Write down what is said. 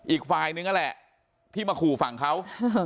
อีกฝ่ายนึงนั่นแหละที่มาขู่ฝั่งเขา